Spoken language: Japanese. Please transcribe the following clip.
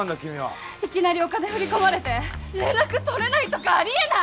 いきなりお金振り込まれて連絡取れないとかあり得ない！